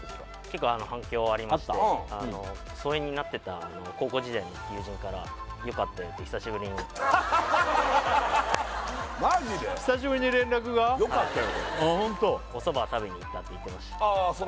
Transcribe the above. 結構反響ありまして疎遠になってた高校時代の友人から良かったよって久しぶりに良かったよとああホントおそば食べに行ったって言ってました